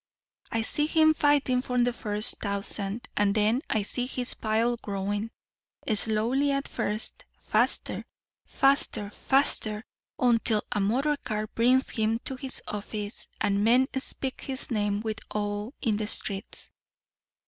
I see him fighting for the first thousand and then I see his pile growing, slowly at first faster faster faster until a motor car brings him to his office, and men speak his name with awe in the streets."